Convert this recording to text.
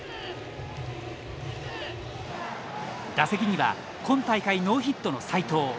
打席には今大会ノーヒットの斎藤。